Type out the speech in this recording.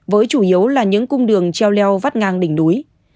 với chủ yếu là những cung đường treo leo vắt ngang đỉnh núi